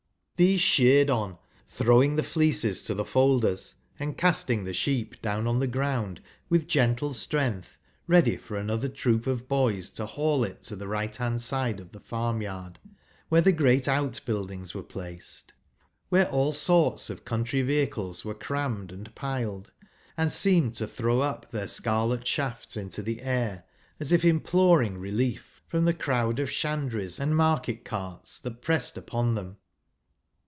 These sheared on, throwing the fleeces to the folders, and casting the sheep down on the ground with gentle strength, ready for another troop of boys to haul it to the right hand side of the farm¬ yard, where the great out buildings were placed ; where all sorts of country vehicles were cmmmed and piled, and seemed to throw up their scarlet shafts into the air, as if imploring relief from the crowd of shan dries and market carts that pressed upon them.